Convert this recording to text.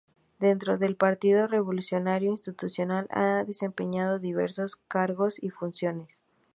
Dentro del Partido Revolucionario Institucional ha desempeñado diversos cargos y funciones.